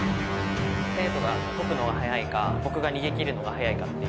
生徒が解くのが早いか僕が逃げ切るのが早いかっていう。